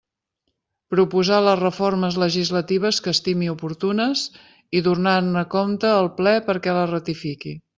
Proposar les reformes legislatives que estimi oportunes i donar-ne compte al Ple perquè les ratifiqui.